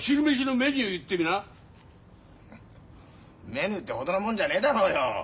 メニューってほどのもんじゃねえだろよ。